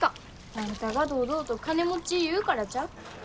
あんたが堂々と金持ち言うからちゃう？